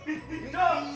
iya diajak ngomong